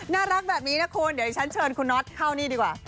น่ารักแบบนี้นะคุณเดี๋ยวฉันเชิญคุณน็อตเข้านี่ดีกว่า